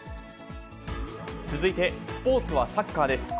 続いてスポーツはサッカーです。